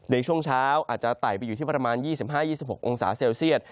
ในช่วงเช้าอาจจะไต่ไปอยู่ที่ประมาณ๒๕๒๖องศาเซลเซียต